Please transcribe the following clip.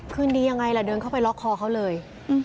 คืนดียังไงล่ะเดินเข้าไปล็อกคอเขาเลย